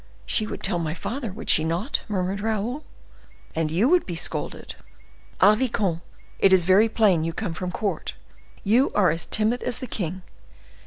"She would tell my father, would she not?" murmured Raoul. "And you would be scolded. Ah, vicomte, it is very plain you come from court; you are as timid as the king.